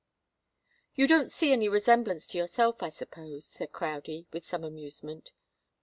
"You don't see any resemblance to yourself, I suppose," said Crowdie, with some amusement.